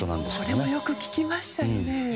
これもよく聴きましたね。